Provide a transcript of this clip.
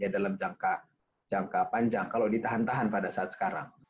dalam jangka panjang kalau ditahan tahan pada saat sekarang